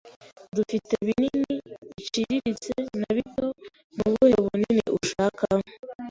Dufite binini, biciriritse, na bito. Ni ubuhe bunini ushaka?